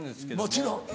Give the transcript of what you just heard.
もちろん。